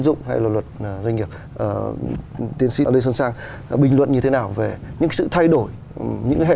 dụng hay là luật doanh nghiệp tiến sĩ lê xuân sang bình luận như thế nào về những sự thay đổi những cái hệ